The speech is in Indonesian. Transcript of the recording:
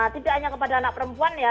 tidak hanya kepada anak perempuan ya